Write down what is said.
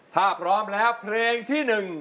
ถ้าพร้อมแล้วเพลงที่๑